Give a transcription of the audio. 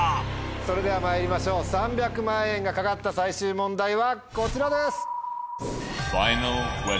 それではまいりましょう３００万円が懸かった最終問題はこちらです。